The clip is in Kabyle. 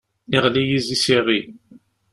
Iɣli yizi s iɣi.